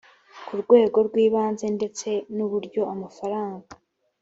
ku rwego rw ibanze ndetse n uburyo amafaranga